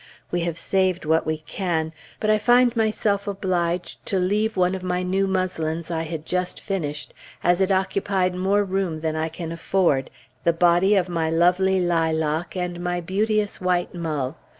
We have saved what we can; but I find myself obliged to leave one of my new muslins I had just finished, as it occupied more room than I can afford, the body of my lovely lilac, and my beauteous white mull.